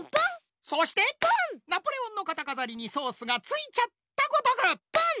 そしてナポレオンのかたかざりにソースがついちゃったごとく。